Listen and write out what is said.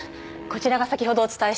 こちらが先ほどお伝えした。